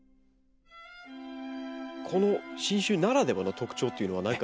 この新種ならではの特徴というのは何か？